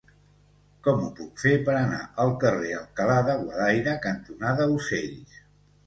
Com ho puc fer per anar al carrer Alcalá de Guadaira cantonada Ocells?